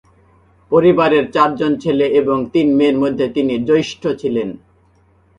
পরিবারের চারজন ছেলে এবং তিন মেয়ের মধ্যে তিনি জ্যেষ্ঠ ছিলেন।